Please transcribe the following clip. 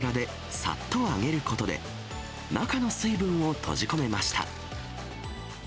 ２１０度の高温の油でさっと揚げることで、中の水分を閉じ込めました。